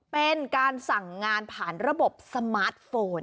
เป็นการสั่งงานผ่านระบบสมาร์ทโฟน